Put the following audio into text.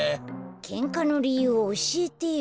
けんかのりゆうをおしえてよ。